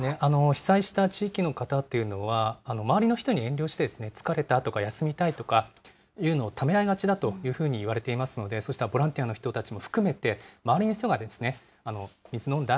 被災した地域の方というのは、周りの人に遠慮して、疲れたとか休みたいとか言うのをためらいがちだというふうにいわれていますので、そうしたボランティアの人たちも含めて、周りの人が水飲んだ？